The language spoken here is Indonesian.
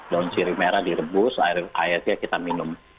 daun siri merah direbus airnya kita minum